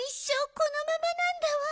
このままなんだわ。